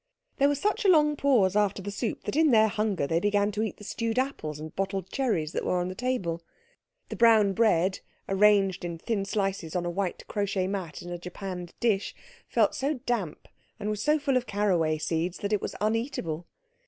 There was such a long pause after the soup that in their hunger they began to eat the stewed apples and bottled cherries that were on the table. The brown bread, arranged in thin slices on a white crochet mat in a japanned dish, felt so damp and was so full of caraway seeds that it was uneatable.